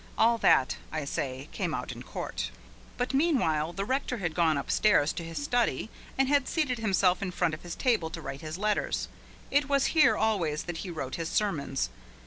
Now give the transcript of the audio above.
All that, I say, came out in court. But meanwhile the rector had gone upstairs to his study and had seated himself in front of his table to write his letters. It was here always that he wrote his sermons.